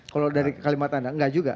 kalau dari kalimat anda enggak juga